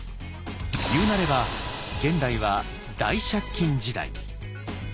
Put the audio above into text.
言うなれば現代は大借金時代。